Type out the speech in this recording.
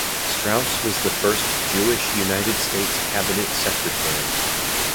Straus was the first Jewish United States Cabinet Secretary.